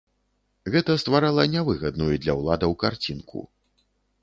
Гэта стварала нявыгадную для ўладаў карцінку.